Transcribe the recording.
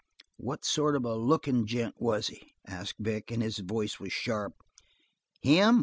"What sort of a lookin' gent was he?" asked Vic, and his voice was sharp. "Him?